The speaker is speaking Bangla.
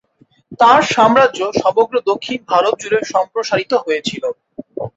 তাঁর সাম্রাজ্য সমগ্র দক্ষিণ ভারত জুড়ে প্রসারিত হয়েছিল।